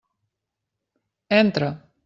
Entra.